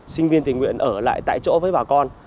sinh viên tình nguyện ở lại tại chỗ với bà con